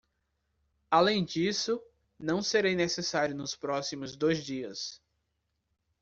Além disso, não serei necessário nos próximos dois dias.